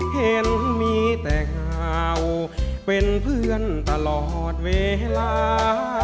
เห็นมีแต่ข่าวเป็นเพื่อนตลอดเวลา